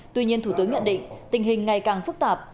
tuy nhiên thủ tướng nhận định tình hình ngày càng phức tạp